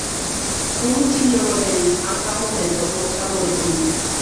Unu sinjoro venis antaŭ momento por paroli kun vi.